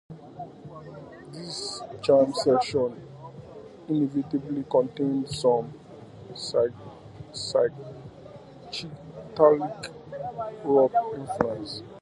These jam sessions inevitably contained some psychedelic rock influences.